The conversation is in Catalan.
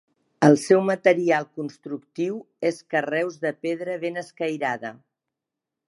El seu material constructiu és carreus de pedra ben escairada.